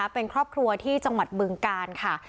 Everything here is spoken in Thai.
เป็นครอบครัวที่จังหวัดบึงกาลค่ะ